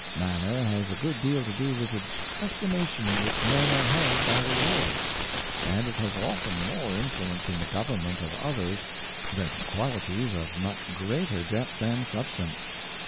Manner has a good deal to do with the estimation in which men are held by the world; and it has often more influence in the government of others than quali ties of much greater depth and substance.